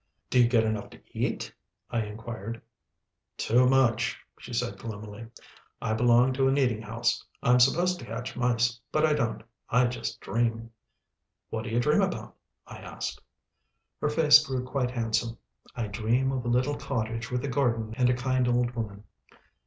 "Do you get enough to eat?" I enquired. "Too much," she said gloomily. "I belong to an eating house. I'm supposed to catch mice, but I don't. I just dream." "What do you dream about?" I asked. Her face grew quite handsome. "I dream of a little cottage with a garden and a kind old woman."